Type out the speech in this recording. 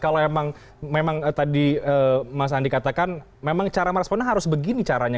kalau memang tadi mas andi katakan memang cara meresponnya harus begini caranya